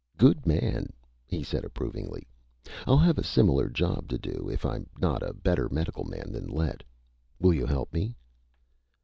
"Good man!" he said approvingly. "I'll have a similar job to do if I'm not a better medical man than Lett! Will you help me?"